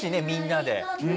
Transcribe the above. みんなで。